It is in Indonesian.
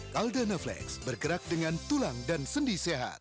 caldana flex bergerak dengan tulang dan sendi sehat